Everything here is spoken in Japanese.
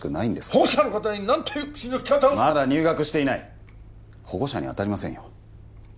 保護者の方に何という口の利き方をまだ入学していない保護者にあたりませんよ